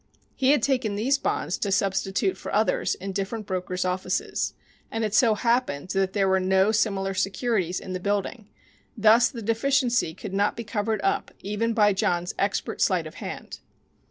He had taken these bonds to substitute for others in different brokers' offices, and it so happened that there were no similar securities in the building; thus the deficiency could not be covered up even by John's expert sleight of hand.